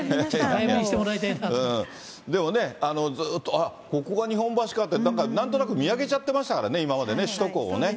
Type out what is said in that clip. でもね、ずっとここが日本橋かって、なんとなく見上げちゃってましたからね、今までね、首都高をね。